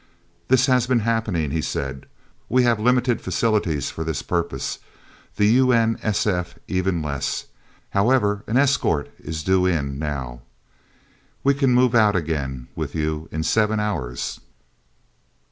"This has been happening," he said. "We have limited facilities for this purpose. The U.N.S.F. even less. However, an escort is due in, now. We can move out again, with you, in seven hours."